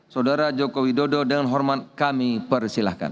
saudara joko widodo dengan hormat kami persilahkan